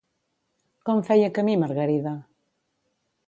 Com feia camí Margarida?